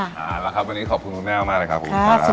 แล้วครับวันนี้ขอบคุณคุณแม่วมากเลยครับคุณพุทธค่ะ